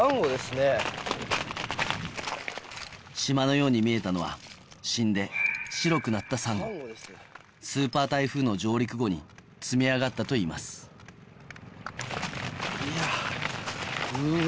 島のように見えたのは死んで白くなったサンゴスーパー台風の上陸後に積み上がったといいますいやうわ。